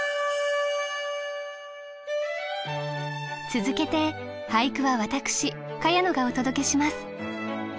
続けて俳句は私茅野がお届けします。